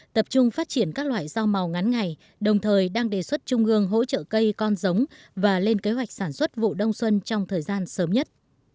tập trung phát triển các loại rau màu ngắn ngày đồng thời đang đề xuất trung ương hỗ trợ cây con giống và lên kế hoạch sản xuất vụ đông xuân trong thời gian sớm nhất